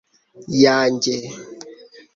yanjye